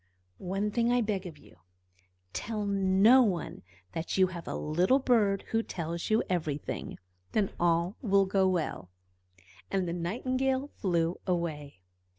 "One thing I beg of you: tell no one that you have a little bird who tells you everything. Then all will go well." And the Nightingale flew away.